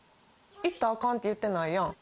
行ったらあかんて言ってないやん。